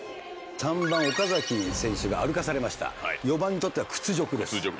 三番岡崎選手が歩かされました四番にとっては屈辱です。